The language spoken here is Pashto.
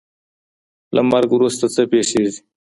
له مرګ وروسته څه پیښیږي؟